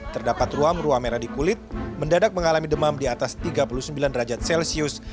terdapat ruam ruam merah di kulit mendadak mengalami demam di atas tiga puluh sembilan derajat celcius